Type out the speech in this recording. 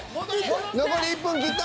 残り１分切った。